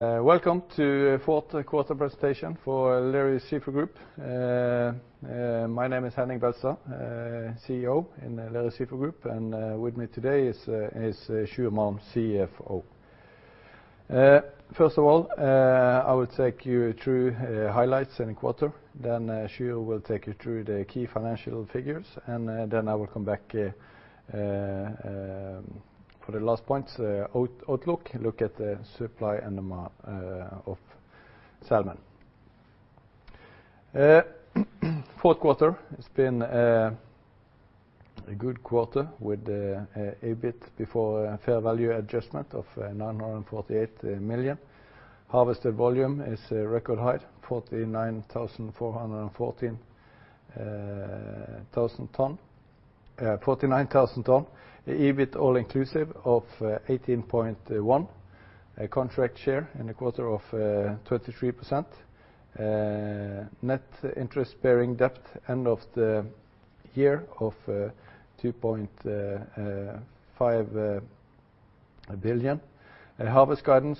Welcome to the fourth quarter presentation for Lerøy Seafood Group. My name is Henning Beltestad, CEO in the Lerøy Seafood Group, and with me today is Sjur Malm, CFO. First of all, I will take you through the highlights in the quarter, then Sjur will take you through the key financial figures, then I will come back for the last points, outlook, look at the supply of salmon. Fourth quarter has been a good quarter with the EBIT before fair value adjustment of 948 million. Harvested volume is a record high, 49,414 tons. EBIT all inclusive of 18.1%. Contract share in the quarter of 33%. Net interest-bearing debt end of the year of 2.5 billion. Harvest guidance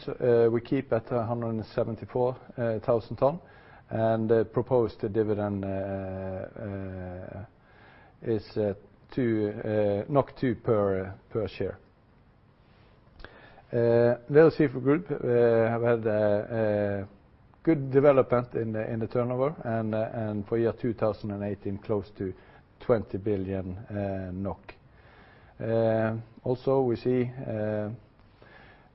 we keep at 174,000 tons. Proposed dividend is NOK 2 per share. Lerøy Seafood Group have had a good development in the turnover and for year 2018, close to 20 billion NOK. We see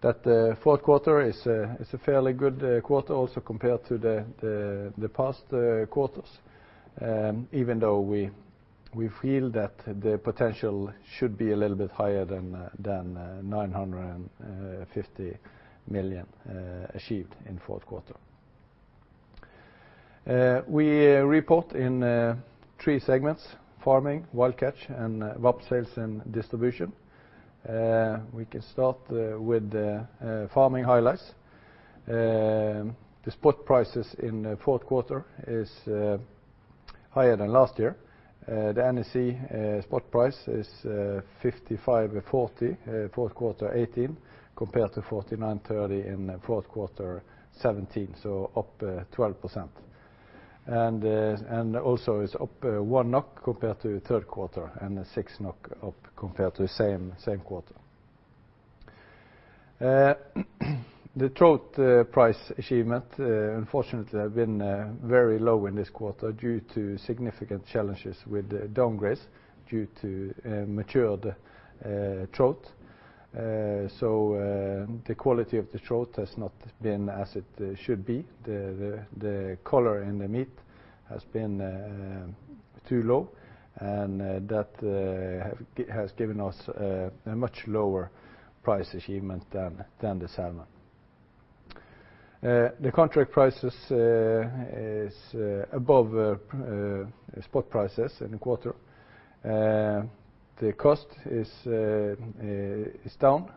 that the fourth quarter is a fairly good quarter also compared to the past quarters, even though we feel that the potential should be a little bit higher than 950 million achieved in fourth quarter. We report in three segments, farming, wild catch, and VAP, Sales and Distribution. We can start with the farming highlights. The spot prices in the fourth quarter is higher than last year. The NOS spot price is 55.40 fourth quarter 2018 compared to 49.30 in the fourth quarter 2017, up 12%. It also is up 1 NOK compared to the third quarter and 6 NOK up compared to the same quarter. The trout price achievement, unfortunately, has been very low in this quarter due to significant challenges with downgrades due to matured trout. The quality of the trout has not been as it should be. The color and the meat has been too low, and that has given us a much lower price achievement than the salmon. The contract prices are above spot prices in the quarter. The cost is down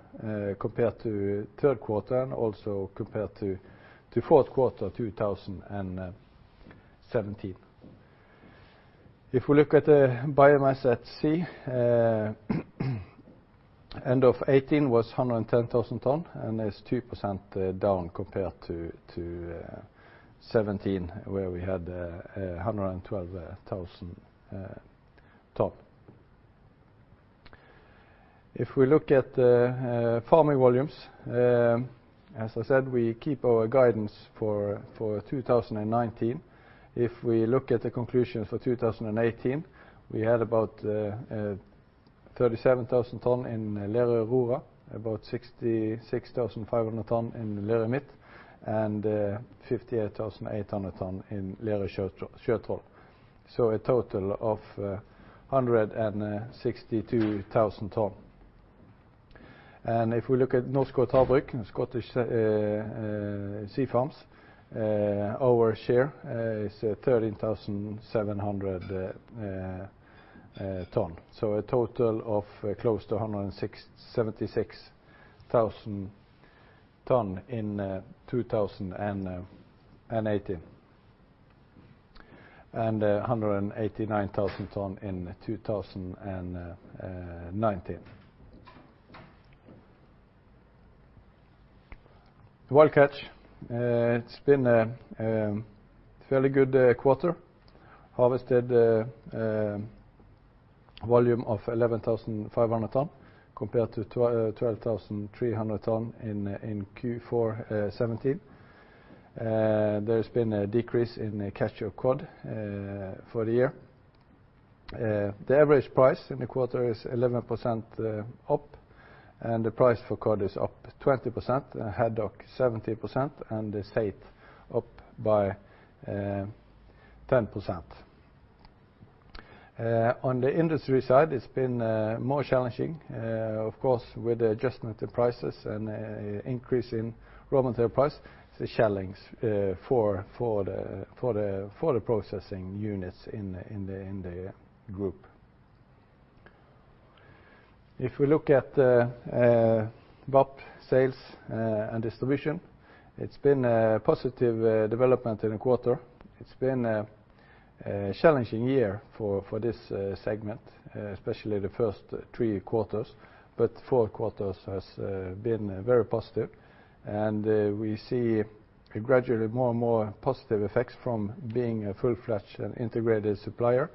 compared to the third quarter and also compared to the fourth quarter 2017. If we look at the biomass at sea, end of 2018 was 110,000 tons, and that's 2% down compared to 2017 where we had 112,000 tons. If we look at the farming volumes, as I said, we keep our guidance for 2019. If we look at the conclusion for 2018, we had about 37,000 tons in Lerøy Aurora, about 66,500 tons in Lerøy Midt, and 58,800 tons in Lerøy Sjøtroll. A total of 162,000 tons. If we look at Norskott Havbruk and Scottish Sea Farms, our share is 13,700 tons. A total of close to 176,000 tons in 2018 and 189,000 tons in 2019. The wild catch. It's been a fairly good quarter. Harvested volume of 11,500 tons compared to 12,300 tons in Q4 2017. There's been a decrease in the catch of cod for the year. The average price in the quarter is 11% up, and the price for cod is up 20%, haddock 17%, and the saithe up by 10%. On the industry side, it's been more challenging, of course, with the adjustment of prices and increase in raw material price. It's a challenge for the processing units in the group. If we look at VAP, Sales and Distribution, it's been a positive development in the quarter. It's been a challenging year for this segment, especially the first three quarters, but the fourth quarter has been very positive, and we see gradually more and more positive effects from being a full-fledged and integrated supplier.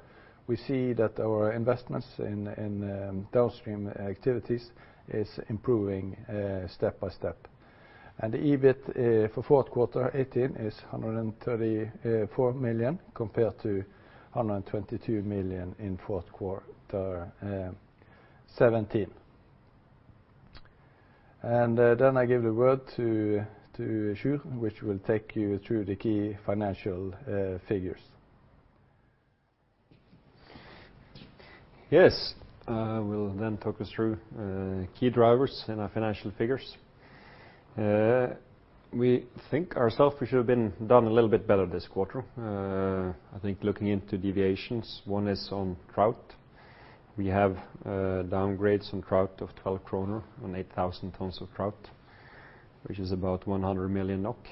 We see that our investments in downstream activities are improving step by step, and EBIT for Q4 2018 is 134 million compared to 122 million in Q4 2017. I give the word to Sjur, which will take you through the key financial figures. Yes, I will talk us through key drivers in our financial figures. We think ourselves we should have done a little bit better this quarter. I think looking into deviations, one is on trout. We have downgrades on trout of 12 kroner on 8,000 tons of trout, which is about 100 million NOK.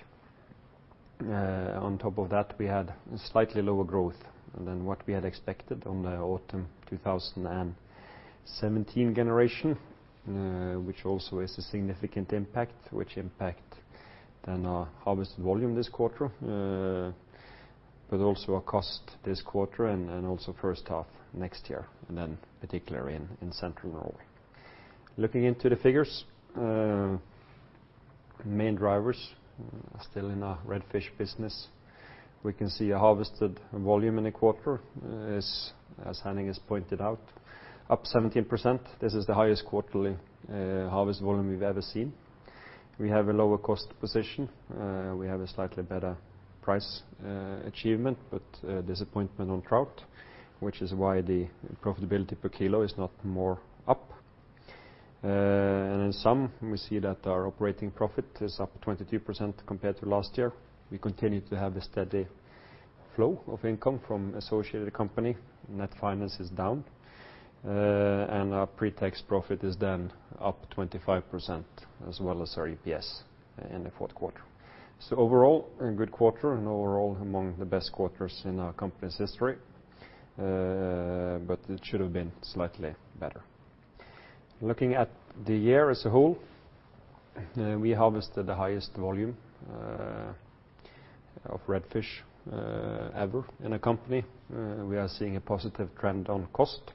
On top of that, we had slightly lower growth than what we had expected on the autumn 2017 generation, which also has a significant impact, which impact our harvest volume this quarter, but also our cost this quarter and also first half next year, and particularly in Central Norway. Looking into the figures, main drivers are still in our redfish business. We can see harvested volume in the quarter is, as Henning has pointed out, up 17%. This is the highest quarterly harvest volume we've ever seen. We have a lower cost position. We have a slightly better price achievement, but disappointment on trout, which is why the profitability per kilo is not more up. In sum, we see that our operating profit is up 23% compared to last year. We continue to have a steady flow of income from associated company. Net finance is down, and our pre-tax profit is then up 25%, as well as our EPS in the fourth quarter. Overall, a good quarter and overall among the best quarters in our company's history, but it should've been slightly better. Looking at the year as a whole, we harvested the highest volume of redfish ever in the company. We are seeing a positive trend on cost.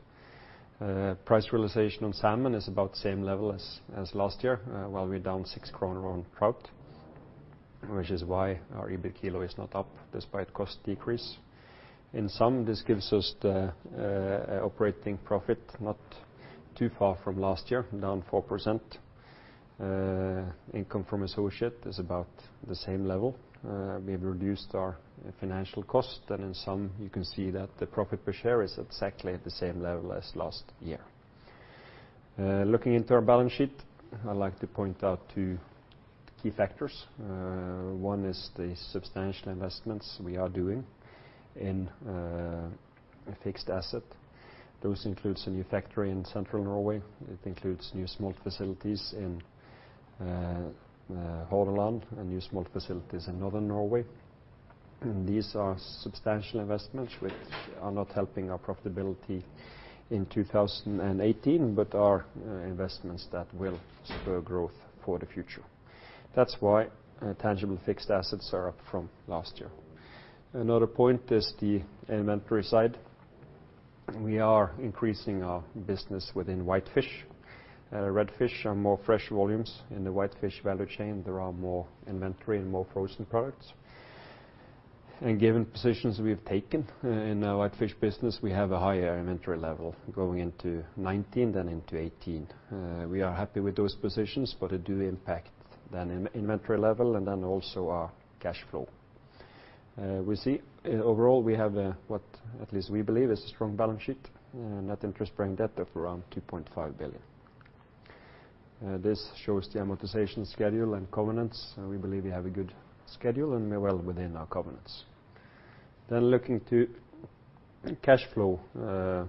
Price realization on salmon is about the same level as last year, while we're down 6 kroner on trout, which is why our EBIT kilo is not up despite cost decrease. In sum, this gives us the operating profit not too far from last year, down 4%. Income from associate is about the same level. We've reduced our financial cost, and in sum, you can see that the profit per share is exactly at the same level as last year. Looking into our balance sheet, I'd like to point out two key factors. One is the substantial investments we are doing in fixed asset. Those includes a new factory in Central Norway. It includes new smolt facilities in Hordaland and new smolt facilities in Northern Norway. These are substantial investments which are not helping our profitability in 2018 but are investments that will spur growth for the future. That's why tangible fixed assets are up from last year. Another point is the inventory side. We are increasing our business within whitefish. Redfish are more fresh volumes. In the whitefish value chain, there are more inventory and more frozen products. Given positions we have taken in our whitefish business, we have a higher inventory level going into 2019 than into 2018. We are happy with those positions, but they do impact then inventory level and then also our cash flow. We see overall we have what at least we believe is a strong balance sheet, net interest-bearing debt of around 2.5 billion. This shows the amortization schedule and covenants, and we believe we have a good schedule and we're well within our covenants. Looking to cash flow,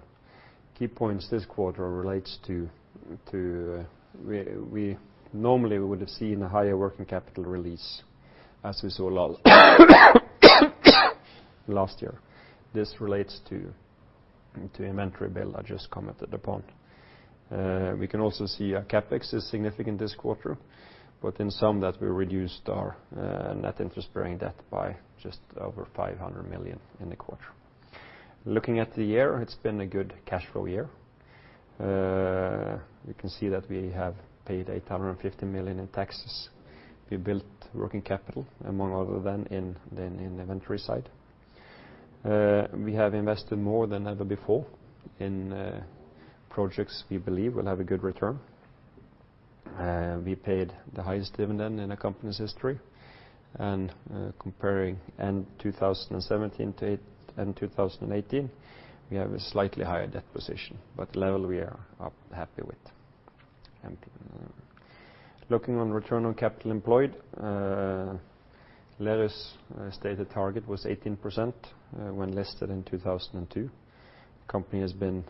key points this quarter relates to we normally would've seen a higher working capital release as we saw last year. This relates to the inventory build I just commented upon. We can also see our CapEx is significant this quarter, in sum that we reduced our net interest-bearing debt by just over 500 million in the quarter. Looking at the year, it's been a good cash flow year. We can see that we have paid 850 million in taxes. We built working capital and more other than in the inventory side. We have invested more than ever before in projects we believe will have a good return. We paid the highest dividend in the company's history. Comparing end 2017 to end 2018, we have a slightly higher debt position, but level we are happy with. Looking on return on capital employed, Lerøy stated target was 18% when listed in 2002. Company has been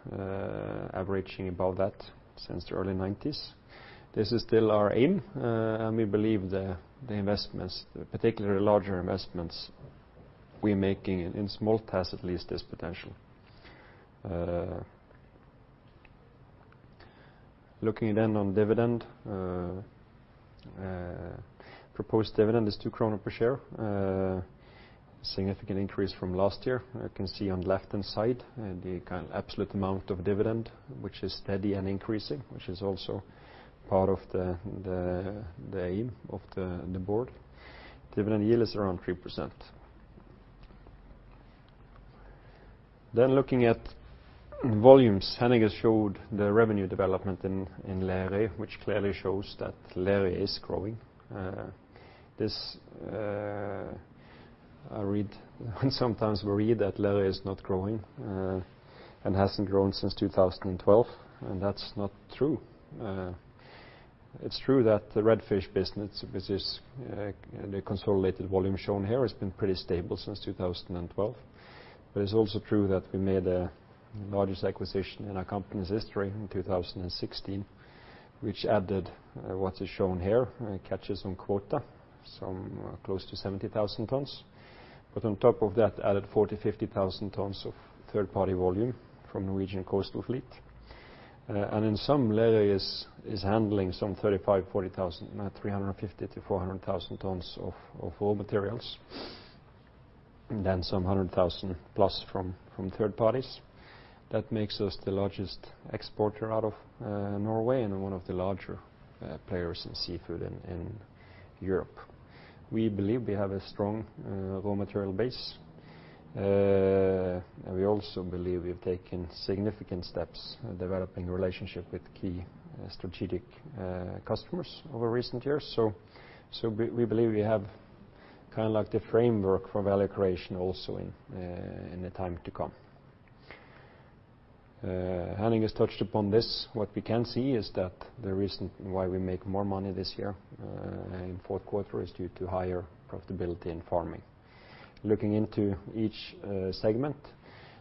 averaging above that since the early 1990s. This is still our aim, and we believe the investments, particularly larger investments we're making in smolt plants at least, has potential. Looking on dividend. Proposed dividend is 2 kroner per share. Significant increase from last year. You can see on the left-hand side the absolute amount of dividend, which is steady and increasing, which is also part of the aim of the board. Dividend yield is around 3%. Looking at volumes. Henning has showed the revenue development in Lerøy, which clearly shows that Lerøy is growing. Sometimes we read that Lerøy is not growing and hasn't grown since 2012, and that's not true. It's true that the redfish business, which is the consolidated volume shown here, has been pretty stable since 2012. It's also true that we made the largest acquisition in our company's history in 2016, which added what is shown here in catches and quota, some close to 70,000 tons. On top of that, added 40,000, 50,000 tons of third party volume from Norwegian coastal fleet. In sum, Lerøy is handling some 350,000-400,000 tons of raw materials. Some 100,000 plus from third parties. That makes us the largest exporter out of Norway and one of the larger players in seafood in Europe. We believe we have a strong raw material base. We also believe we've taken significant steps in developing relationship with key strategic customers over recent years. We believe we have the framework for value creation also in the time to come. Henning has touched upon this. What we can see is that the reason why we make more money this year in Q4 is due to higher profitability in farming. Looking into each segment,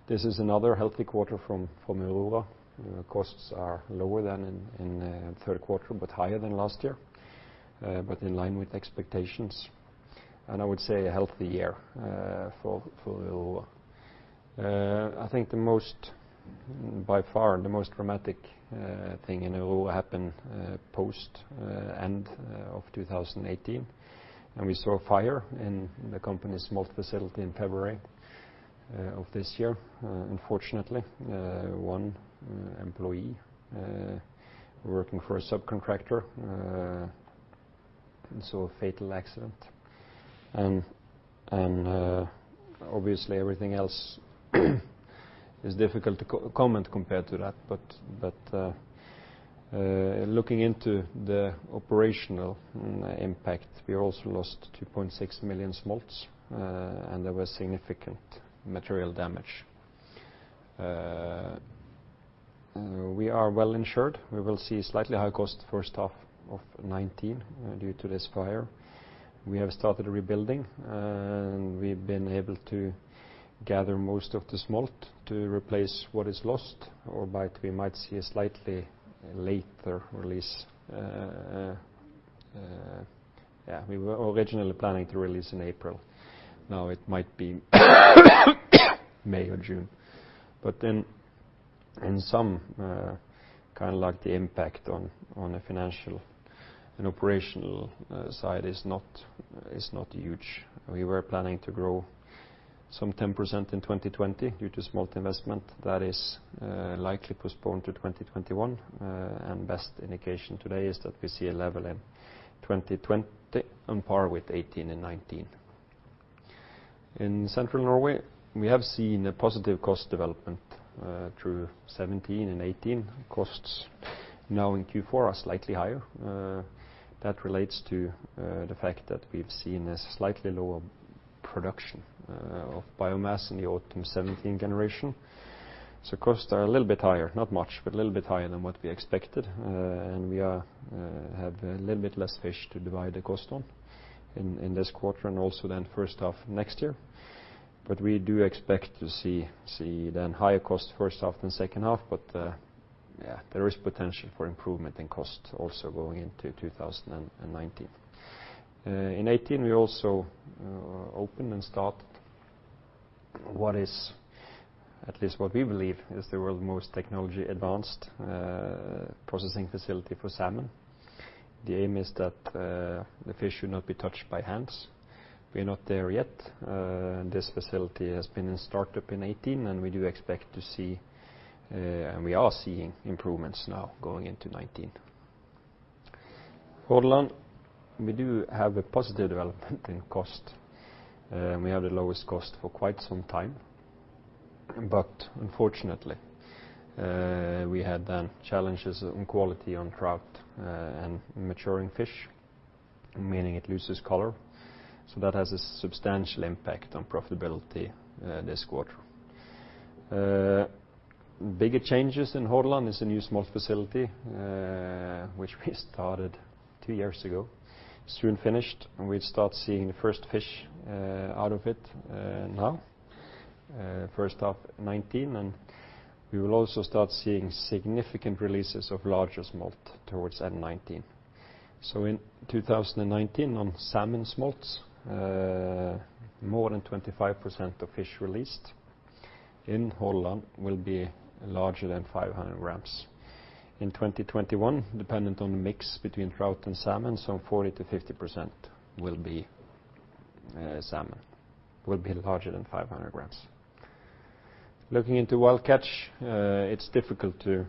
this is another healthy quarter from Lerøy Aurora. Costs are lower than in Q3, but higher than last year, but in line with expectations. I would say a healthy year for Lerøy Aurora. I think by far the most dramatic thing in Lerøy Aurora happened post end of 2018, and we saw a fire in the company's smolt facility in February of this year. Unfortunately, one employee working for a subcontractor saw a fatal accident, and obviously everything else is difficult to comment compared to that. Looking into the operational impact, we also lost 2.6 million smolts, and there was significant material damage. We are well insured. We will see slightly high cost in the first half of 2019 due to this fire. We have started rebuilding, we've been able to gather most of the smolt to replace what is lost, albeit we might see a slightly later release. We were originally planning to release in April. Now it might be May or June. In sum, the impact on the financial and operational side is not huge. We were planning to grow some 10% in 2020 due to smolt investment. That is likely postponed to 2021. Best indication today is that we see a level in 2020 on par with 2018 and 2019. In Central Norway, we have seen a positive cost development through 2017 and 2018. Costs now in Q4 are slightly higher. That relates to the fact that we've seen a slightly lower production of biomass in the autumn 2017 generation. Costs are a little bit higher, not much, but a little bit higher than what we expected. We have a little bit less fish to divide the cost on in this quarter and also then first half of next year. We do expect to see then higher cost first half than second half, but there is potential for improvement in costs also going into 2019. In 2018, we also opened and started what is at least what we believe is the world's most technology-advanced processing facility for salmon. The aim is that the fish should not be touched by hands. We are not there yet. This facility has been in startup in 2018, and we do expect to see, and we are seeing improvements now going into 2019. Hordaland, we do have a positive development in cost. We have the lowest cost for quite some time. Unfortunately, we had then challenges in quality on cod and maturing fish, meaning it loses color. That has a substantial impact on profitability this quarter. Bigger changes in Hordaland is a new smolt facility, which we started three years ago. Soon finished, we start seeing the first fish out of it now. First half 2019, we will also start seeing significant releases of larger smolt towards end 2019. In 2019, on salmon smolts, more than 25% of fish released in Hordaland will be larger than 500 grams. In 2021, dependent on the mix between trout and salmon, 40%-50% will be salmon, will be larger than 500 grams. Looking into wild catch, it's difficult to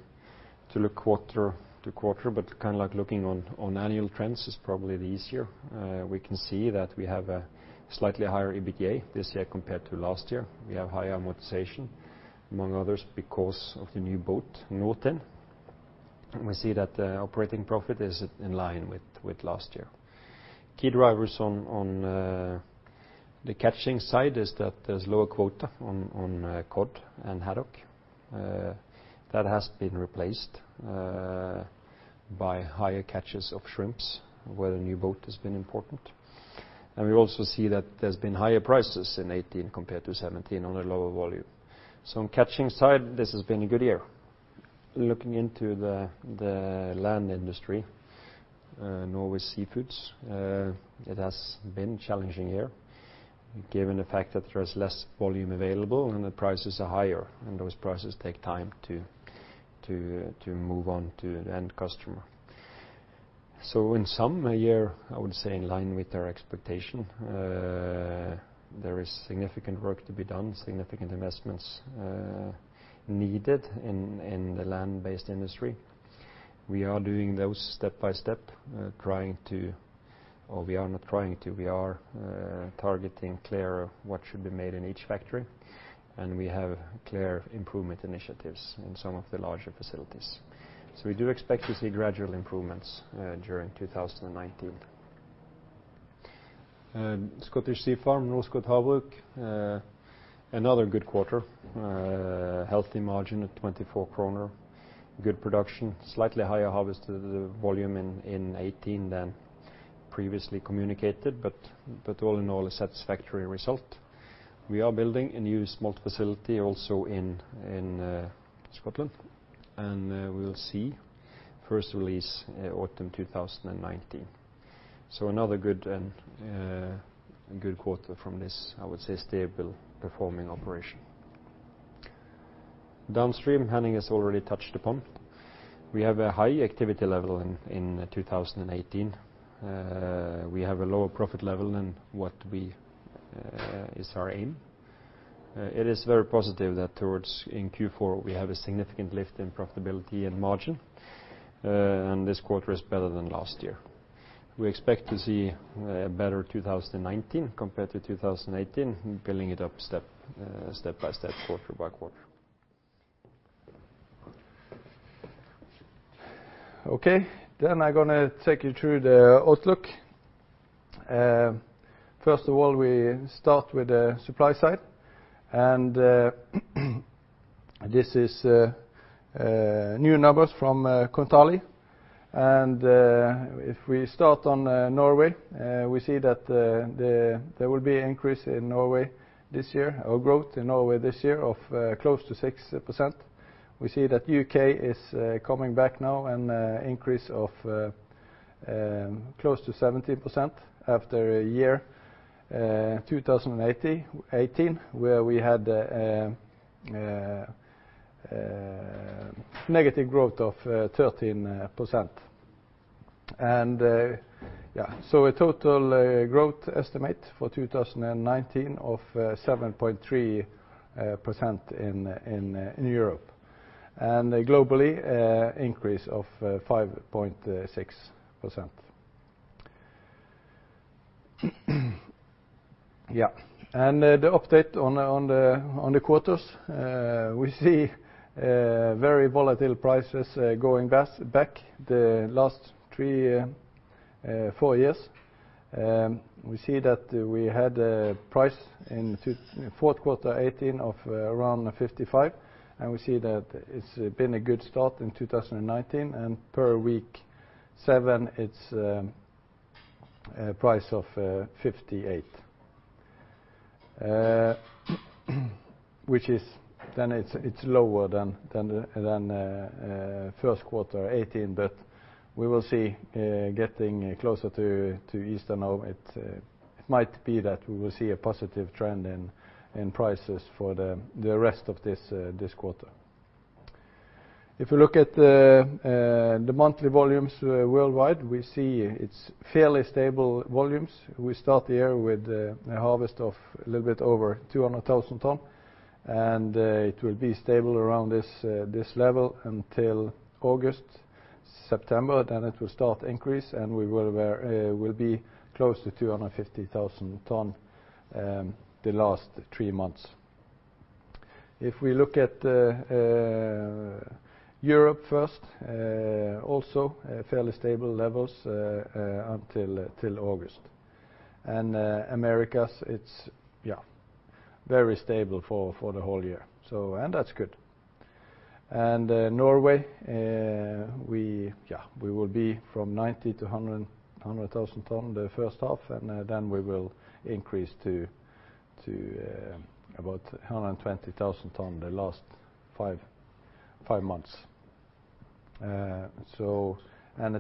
look quarter to quarter, kind of looking on annual trends is probably easier. We can see that we have a slightly higher EBITDA this year compared to last year. We have higher amortization, among others, because of the new boat, Nordtind. We see that the operating profit is in line with last year. Key drivers on the catching side is that there's lower quota on cod and haddock. That has been replaced by higher catches of shrimps, where the new boat has been important. We also see that there's been higher prices in 2018 compared to 2017 on a lower volume. On the catching side, this has been a good year. Looking into the land industry, Norway Seafoods, it has been a challenging year given the fact that there's less volume available and the prices are higher, and those prices take time to move on to the end customer. In sum, a year, I would say, in line with our expectation. There is significant work to be done, significant investments needed in the land-based industry. We are doing those step by step. We are targeting clear what should be made in each factory, and we have clear improvement initiatives in some of the larger facilities. We do expect to see gradual improvements during 2019. Scottish Sea Farms, Norskott Havbruk, another good quarter. Healthy margin at 24 kroner. Good production. Slightly higher harvested volume in 2018 than previously communicated, but all in all, a satisfactory result. We are building a new smolt facility also in Scotland, and we will see first release autumn 2019. Another good quarter from this, I would say, stable performing operation. Downstream, Henning has already touched upon. We have a high activity level in 2018. We have a lower profit level than what is our aim. It is very positive that in Q4 we have a significant lift in profitability and margin, and this quarter is better than last year. We expect to see a better 2019 compared to 2018, building it up step by step, quarter by quarter. Okay, I'm going to take you through the outlook. First of all, we start with the supply side, and this is new numbers from Kontali. If we start on Norway, we see that there will be increase in Norway this year, or growth in Norway this year, of close to 6%. We see that U.K. is coming back now and increase of close to 70% after a year, 2018, where we had a negative growth of 13%. A total growth estimate for 2019 of 7.3% in Europe, and globally increase of 5.6%. Yeah. The update on the quarters. We see very volatile prices going back the last three, four years. We see that we had a price in fourth quarter 2018 of around 55, and we see that it's been a good start in 2019. Per week seven, it's a price of 58, which is lower than first quarter 2018, but we will see getting closer to Easter now. It might be that we will see a positive trend in prices for the rest of this quarter. If you look at the monthly volumes worldwide, we see it's fairly stable volumes. We start the year with a harvest of a little bit over 200,000 tons, and it will be stable around this level until August, September. It will start increase, and we will be close to 250,000 tons the last three months. If we look at Europe first, also fairly stable levels until August. Americas, it's very stable for the whole year. That's good. Norway, we will be from 90,000-100,000 tons the first half, then we will increase to about 120,000 tons the last five months. A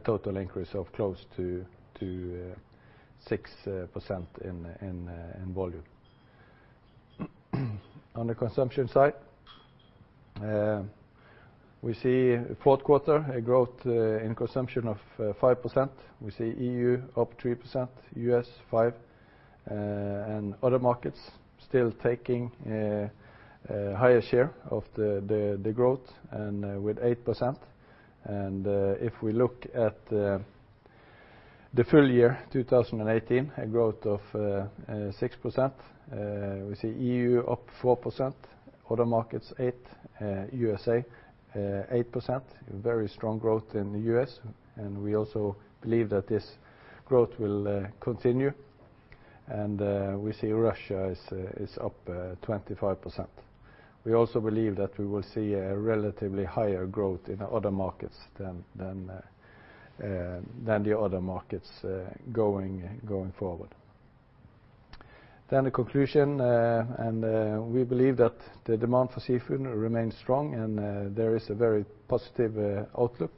total increase of close to 6% in volume. On the consumption side, we see fourth quarter a growth in consumption of 5%. We see EU up 3%, U.S. 5%, and other markets still taking a higher share of the growth and with 8%. If we look at the full year 2018, a growth of 6%. We see EU up 4%, other markets 8%, USA 8%, very strong growth in the U.S., we also believe that this growth will continue. We see Russia is up 25%. We also believe that we will see a relatively higher growth in other markets than the other markets going forward. The conclusion, we believe that the demand for seafood remains strong, and there is a very positive outlook.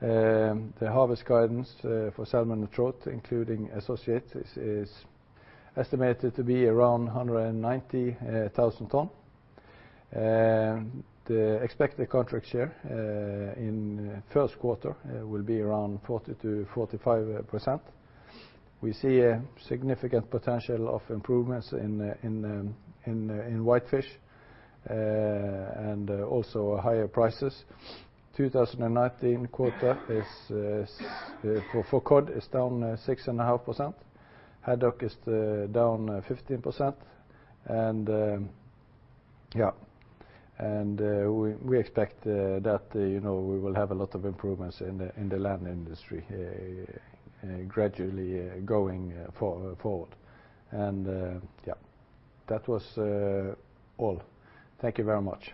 The harvest guidance for salmon & trout, including associates, is estimated to be around 190,000 ton. The expected contract share in first quarter will be around 40%-45%. We see a significant potential of improvements in whitefish and also higher prices. 2019 quota for cod is down 6.5%. Haddock is down 15%. We expect that we will have a lot of improvements in the land industry gradually going forward. That was all. Thank you very much.